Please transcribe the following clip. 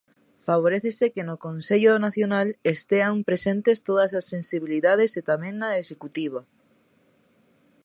Favorécese que no Consello Nacional estean presentes todas as sensibilidades e tamén na Executiva.